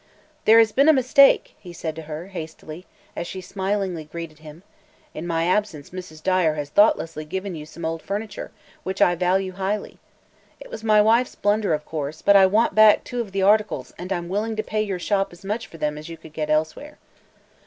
"There has been a mistake," he said to her, hastily, as she smilingly greeted him; "in my absence Mrs. Dyer has thoughtlessly given you some old furniture, which I value highly. It was wife's blunder, of course, but I want back two of the articles and I'm willing to pay your Shop as much for them as you could get elsewhere."